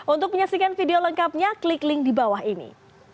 untuk menyaksikan video lengkapnya klik link di bawah ini